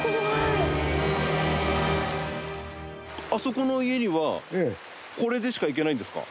あそこの家にはこれでしか行けないんですか？